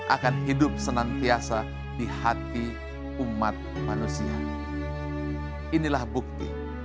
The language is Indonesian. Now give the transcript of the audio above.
akan hidup senantiasa di hati umat manusia inilah bukti